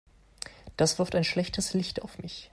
Das wirft ein schlechtes Licht auf mich.